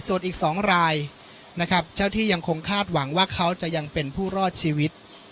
ส่วนอีก๒รายนะครับเจ้าที่ยังคงคาดหวังว่าเขาจะยังเป็นผู้รอดชีวิต